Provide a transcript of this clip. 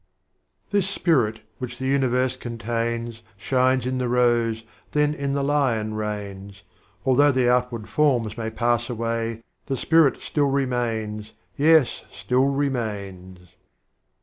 'T'liis Spirit which the Universe contains, Shines in the Rose, then in the Lion reigns, Although the Outward Forms may pass away. The Spirit still remains, yes still remains.